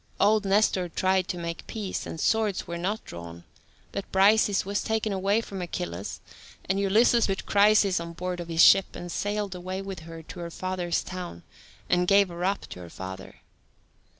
Old Nestor tried to make peace, and swords were not drawn, but Briseis was taken away from Achilles, and Ulysses put Chryseis on board of his ship and sailed away with her to her father's town, and gave her up to her father.